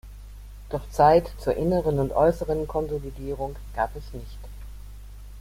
Doch Zeit zur inneren und äußeren Konsolidierung gab es nicht.